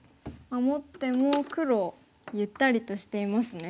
守っても黒ゆったりとしていますね。